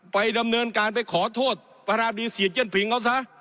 ไปดำเนินการไปขอโทษปราบดีเสียเจียนผิงเขาซะ